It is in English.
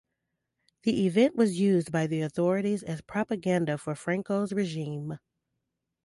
The event was used by the authorities as propaganda for Franco's regime.